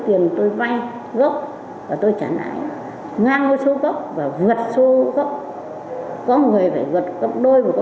có người phải vượt gốc đôi